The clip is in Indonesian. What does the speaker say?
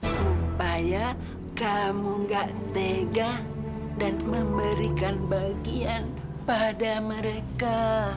supaya kamu gak tega dan memberikan bagian pada mereka